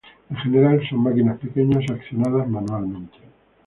En general son máquinas pequeñas accionadas manualmente.